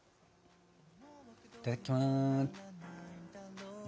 いただきます！